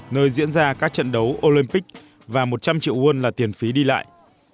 nơi diễn ra các trận đấu olympic và một trăm linh triệu won là tiền phí đi lại